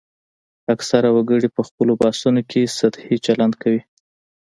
اکثره وګړي په خپلو بحثونو کې سطحي چلند کوي